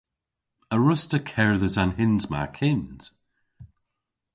A wruss'ta kerdhes an hyns ma kyns?